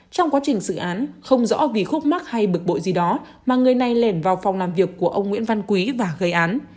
trong quá trình xử án không rõ vì khúc mắc hay bực bội gì đó mà người này lèn vào phòng làm việc của ông nguyễn văn quý và gây án